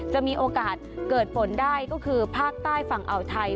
จะมีโอกาสเกิดฝนได้ก็คือภาคใต้ฝั่งอ่าวไทย